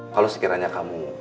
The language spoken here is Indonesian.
kalau sekiranya kamu